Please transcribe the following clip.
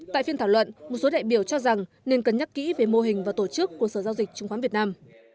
tại phiên thảo luận một số đại biểu cho rằng nên cân nhắc kỹ về mô hình và tổ chức của sở giao dịch chứng khoán việt nam